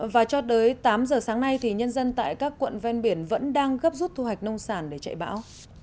và cho tới tám giờ sáng nay thì nhân dân tại các quận ven biển vẫn đang gấp rút thu hoạch nông sản để chạy bão